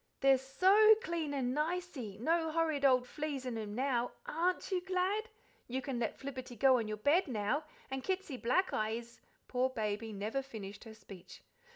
"They'se SO clean and nicey no horrid ole fleas 'n them now. AREN't you glad? You can let Flibberty go on your bed now, and Kitsy Blackeye is " Poor Baby never finished her speech.